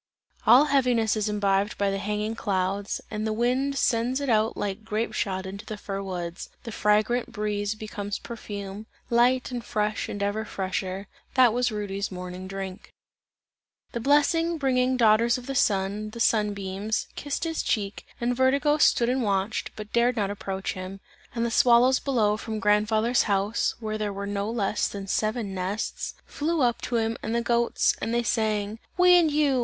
All heaviness is imbibed by the hanging clouds, and the wind sends it out like grape shot into the fir woods; the fragrant breeze becomes perfume, light and fresh and ever fresher that was Rudy's morning drink. The blessing bringing daughters of the Sun, the sun beams, kissed his cheeks, and Vertigo stood and watched, but dared not approach him; and the swallows below from grandfather's house, where there were no less than seven nests, flew up to him and the goats, and they sang: "We and you!